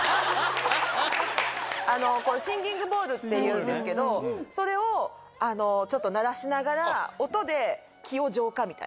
っていうんですけどそれをちょっと鳴らしながら音で気を浄化みたいな。